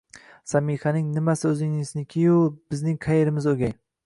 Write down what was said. Samihaning nimasi o'zingiznikiyu, bizning qaerimiz o'gay?!